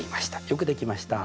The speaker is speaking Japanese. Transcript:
よくできました。